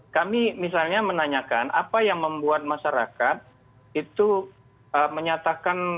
kami misalnya menanyakan apa yang membuat masyarakat itu menyatakan